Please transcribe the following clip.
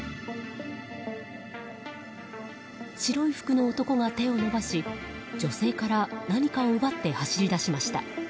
白い服の男が手を伸ばし女性から何かを奪って走り出しました。